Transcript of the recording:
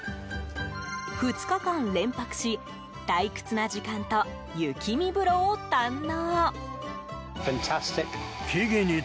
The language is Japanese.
２日間連泊し退屈な時間と雪見風呂を堪能。